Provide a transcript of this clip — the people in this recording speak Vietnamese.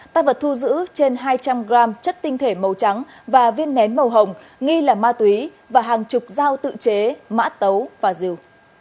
tăng vật thu giữ trên hai trăm linh g chất tinh thể màu trắng và viên nén màu hồng nghi là ma túy và hàng chục dao tự chế mã tấu và rìu